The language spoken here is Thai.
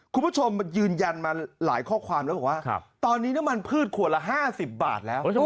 คุณผู้ชมยืนยันมาหลายข้อความแล้วบอกว่าตอนนี้น้ำมันพืชขวดละ๕๐บาทแล้ว